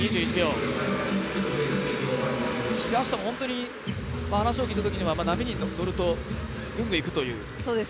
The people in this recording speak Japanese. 平下も本当に話を聞いたときには波に乗ると、ぐんといくという。